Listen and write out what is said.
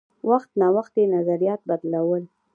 وخت نا وخت یې نظریات بدلول.